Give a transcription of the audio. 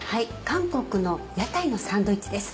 韓国の屋台のサンドイッチです。